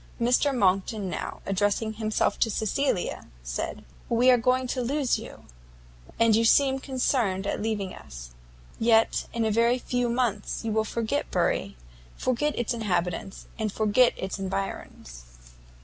Mr Monckton now, addressing himself to Cecilia, said, "We are going to lose you, and you seem concerned at leaving us; yet, in a very few months you will forget Bury, forget its inhabitants, and forget its environs."